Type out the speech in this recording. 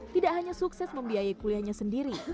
tidak hanya sukses membiayai kuliahnya sendiri